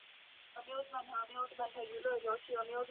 动脉粥样硬化是已开发国家排名第一的致死与致残疾病。